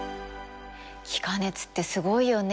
気化熱ってすごいよね？